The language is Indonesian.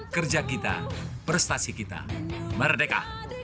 kerja kita prestasi kita merdeka